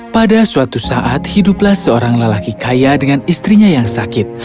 pada suatu saat hiduplah seorang lelaki kaya dengan istrinya yang sakit